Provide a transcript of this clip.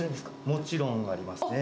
もちろんありますね。